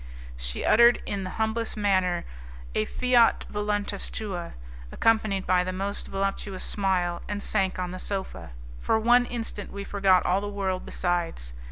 She uttered in the humblest manner a 'fiat voluntas tua', accompanied by the most voluptuous smile, and sank on the sofa. For one instant we forgot all the world besides.